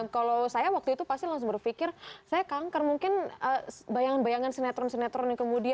kalau saya waktu itu pasti langsung berpikir saya kanker mungkin bayangan bayangan sinetron sinetron itu kan kayak gitu ya